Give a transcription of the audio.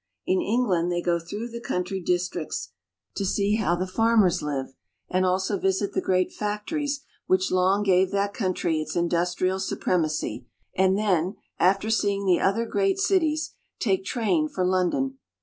In England they go through the country districts to see how the 5 6 PREFACE. farmers live, and also visit the great factories which long gave that country its industrial supremacy, and then, after seeing the other great cities, take train for London.